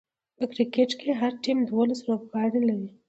په کرکټ کښي هر ټيم دوولس لوبغاړي لري.